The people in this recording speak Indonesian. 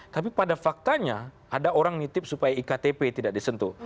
tapi pada faktanya ada orang nitip supaya iktp tidak disentuh